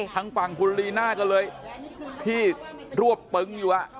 ทางฝั่งคุณลีน่าก็เลยที่รวบตึงอยู่